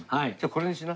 これにしな。